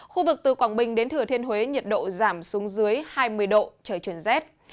khu vực từ quảng bình đến thừa thiên huế nhiệt độ giảm xuống dưới hai mươi độ trời chuyển rét